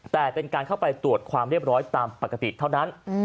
แต่เป็นการเข้าไปตรวจความเรียบร้อยตามปกติเท่านั้น